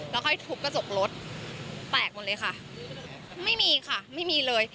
แล้วค่อยทุบกระจกรถแตกหมดเลยค่ะไม่มีค่ะไม่มีเลย